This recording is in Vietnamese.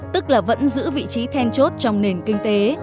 tức là vẫn giữ vị trí then chốt trong nền kinh tế